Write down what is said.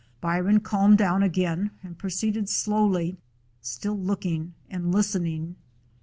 Byron calmed down again and proceeded slowly, still look ing and listening.